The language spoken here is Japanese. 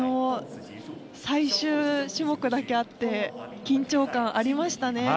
最終種目だけあって緊張感、ありましたね。